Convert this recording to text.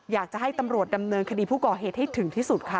อยากจะให้ตำรวจดำเนินคดีผู้ก่อเหตุให้ถึงที่สุดค่ะ